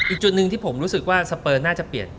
อีกจุดหนึ่งที่ผมรู้สึกว่าสเปอร์น่าจะเปลี่ยน